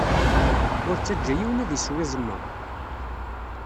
Ur ttaǧǧa yiwen ad isew iẓem-a.